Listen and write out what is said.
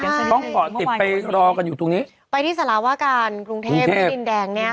ใช่ต้องกอดติดไปรอกันอยู่ตรงนี้ไปที่สลาวการกรุงเทพฯดินแดงเนี้ยค่ะ